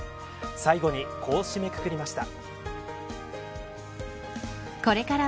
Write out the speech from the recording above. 最後に、こう締めくくりました。